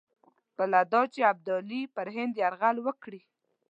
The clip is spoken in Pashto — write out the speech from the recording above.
بله دا چې ابدالي پر هند یرغل وکړي.